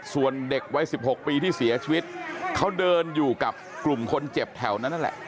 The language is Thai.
ส่วนเด็กวัย๑๖ปีที่เสียชีวิตเขาเดินอยู่กับกลุ่มคนเจ็บแถวนั้นนั่นแหละ